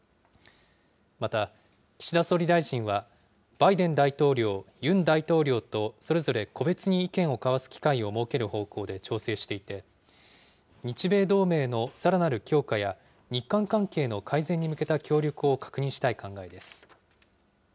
また岸田総理大臣は、バイデン大統領、ユン大統領とそれぞれ個別に意見を交わす機会を設ける方向で調整していて、日米同盟のさらなる強化や、日韓関係の改善に向けた協力を確認したい考えです。